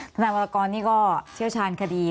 นายวรกรนี่ก็เชี่ยวชาญคดี